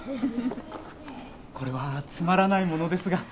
これはつまらないものですが。